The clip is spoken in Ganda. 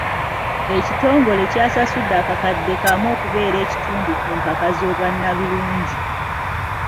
Ekitongole kyasasudde akakadde kamu okubeera ekitundu ku mpaka z'obwannalulungi.